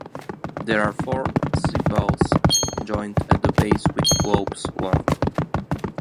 The are four sepals joined at the base with lobes long.